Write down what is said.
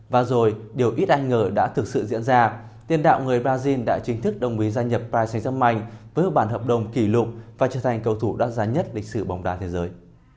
và rồi điều ít ai ngờ đã thực sự diễn ra tiền đạo người brazil đã chính thức đồng ý gia nhập pace với bản hợp đồng kỷ lục và trở thành cầu thủ đắt giá nhất lịch sử bóng đá thế giới